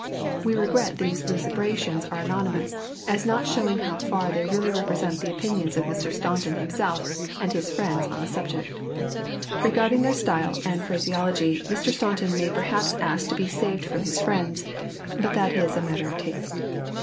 We regret these lucubrations are anonymous, as not showing how far they really represent the opinions of Mr. Staunton himself and his friends on the subject. Regarding their style and phraseology Mr. Staunton may perhaps ask to be saved from his friends, but that is matter of taste.